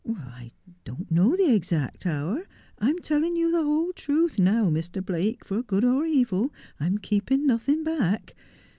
' I do not know the exact hour. I am telling you the whole truth, now, Mr. Blake, for good or evil. I am keeping nothing back.